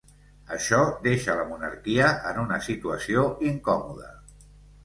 Això deixa la monarquia en una situació incòmoda.